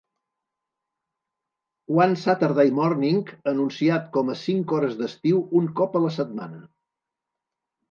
"One Saturday Morning", anunciat com a "cinc hores d'estiu, un cop a la setmana!"